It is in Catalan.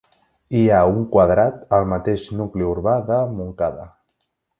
Hi ha un quadrat al mateix nucli urbà de Montcada.